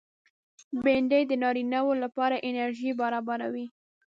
بېنډۍ د نارینه و لپاره انرژي برابروي